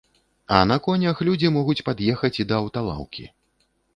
А на конях людзі могуць пад'ехаць і да аўталаўкі.